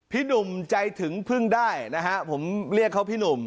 พี่หนุ่มใจถึงพึ่งได้นะฮะผมเรียกเขาพี่หนุ่ม